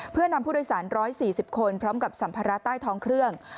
เพื่อนำผู้โดยสาร๑๔๐คนพร้อมกับสัมภาระใต้ท้องเครื่อง